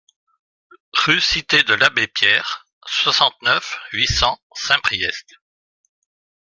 Rue Cité de l'Abbé Pierre, soixante-neuf, huit cents Saint-Priest